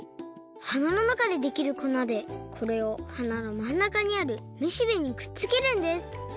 はなのなかでできるこなでこれをはなのまんなかにあるめしべにくっつけるんです。